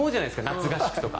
夏合宿とか。